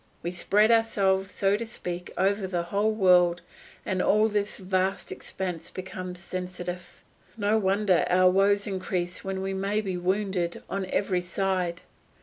We spread ourselves, so to speak, over the whole world, and all this vast expanse becomes sensitive. No wonder our woes increase when we may be wounded on every side.